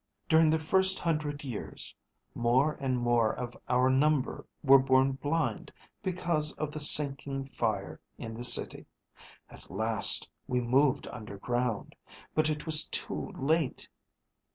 During the first hundred years more and more of our number were born blind because of the sinking fire in the city. At last we moved underground, but it was too late."